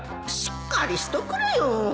しっかりしとくれよ